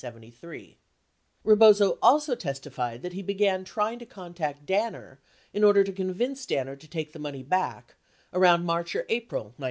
29 Bebozo also testi fied that he began trying to contact Danner in order to convince Danner to take the money back "around March or April" 1973.